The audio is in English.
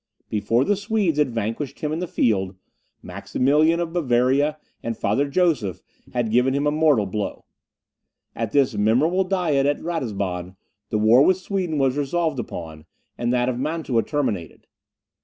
Before the Swedes had vanquished him in the field, Maximilian of Bavaria and Father Joseph had given him a mortal blow. At this memorable Diet at Ratisbon the war with Sweden was resolved upon, and that of Mantua terminated.